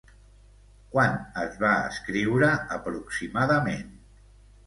Quan es va escriure, aproximadament?